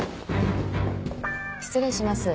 失礼します。